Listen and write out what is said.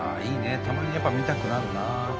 たまにやっぱ見たくなるなあ。